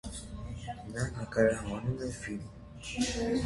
Նա նկարահանում է ֆիլմ։